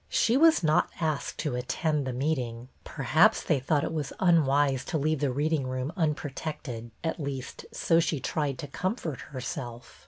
She was not asked to attend the meeting. Perhaps they thought it was unwise to leave the reading room unprotected; at least so she tried to comfort herself.